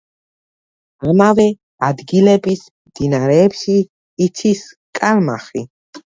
ამავე ადგილების მდინარეებში იცის კალმახი.